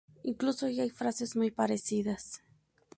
Incluso hay frases muy parecidas.